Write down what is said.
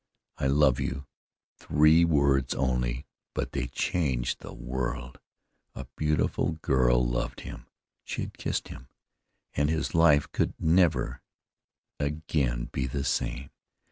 "I love you!" Three words only; but they changed the world. A beautiful girl loved him, she had kissed him, and his life could never again be the same.